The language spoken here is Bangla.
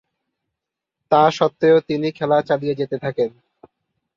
তাসত্ত্বেও তিনি খেলা চালিয়ে যেতে থাকেন।